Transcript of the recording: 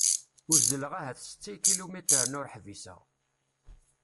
Uzzleɣ ahat setta ikilumitren ur ḥbiseɣ.